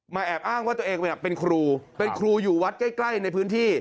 แอบอ้างว่าตัวเองเป็นครูเป็นครูอยู่วัดใกล้ใกล้ในพื้นที่